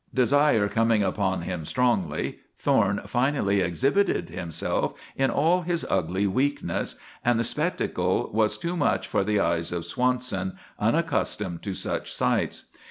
Desire coming upon him strongly, Thorne finally exhibited himself in all his ugly weakness, and the spectacle was too much for the eyes of Swanson, unaccustomed to such sights.